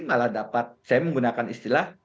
malah dapat saya menggunakan istilah